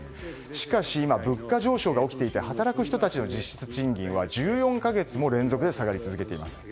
しかし今、物価上昇が起きていて働く人たちの実質賃金は１４か月も連続で下がり続けています。